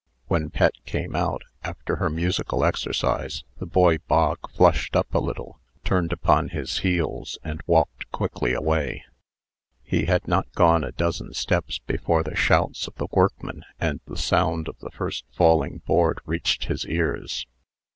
When Pet came out, after her musical exercise, the boy Bog flushed up a little, turned upon his heels, and walked quickly away. He had not gone a dozen steps, before the shouts of the workmen and the sound of the first falling board reached his ears.